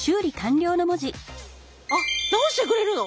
あっ治してくれるの！？